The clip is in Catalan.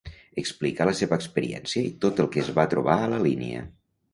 explica la seva experiència i tot el que es va trobar a la línia